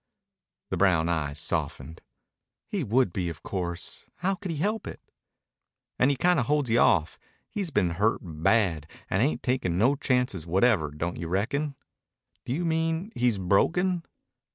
The brown eyes softened. "He would be, of course. How could he help it?" "And he kinda holds you off. He's been hurt bad and ain't takin' no chances whatever, don't you reckon?" "Do you mean he's broken?"